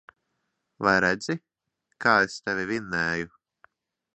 Vai redzi, kā es tevi vinnēju.